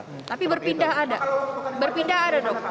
tapi berpindah ada berpindah ada dong